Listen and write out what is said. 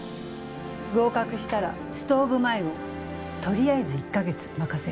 合格したらストーブ前をとりあえず１か月任せる。